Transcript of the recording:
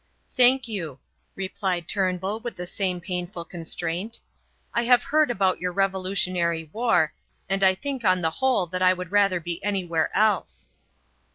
"Thank you," replied Turnbull with the same painful constraint. "I have heard about your revolutionary war, and I think on the whole that I would rather be anywhere else."